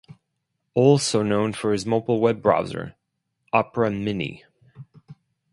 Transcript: Also known for mobile web browser Opera Mini.